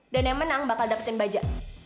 dan yang menang bakal dapetin baja